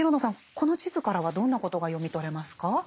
この地図からはどんなことが読み取れますか？